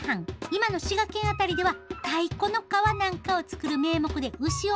今の滋賀県辺りでは太鼓の皮なんかを作る名目で牛を育てていた。